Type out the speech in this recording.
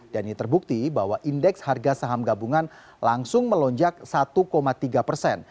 dan ini terbukti bahwa indeks harga saham gabungan langsung melonjak satu tiga persen